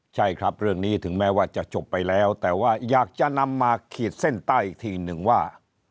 ใช่ครับเรื่องนี้ถึงแม้ว่าจะจบไปแล้วแต่ว่าอยากจะนำมาขีดเส้นใต้อีกทีหนึ่งว่า